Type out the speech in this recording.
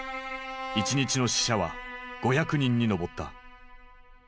１日の死者は５００人に上った。